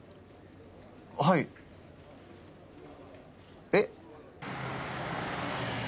はいえっ？